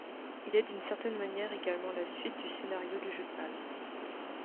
Il est d'une certaine manière également la suite du scénario du jeu de base.